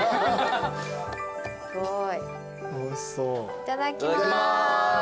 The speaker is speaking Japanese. いただきます。